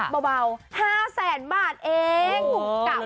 เบาเบาห้าแสนบาทเองโอ้โหเหล็ด